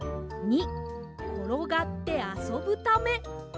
②ころがってあそぶため。